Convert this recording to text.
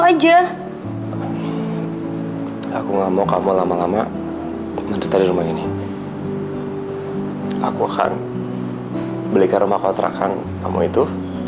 aja aku gak mau kamu lama lama mandi tadi rumah ini aku akan belikan rumah kontrakan kamu itu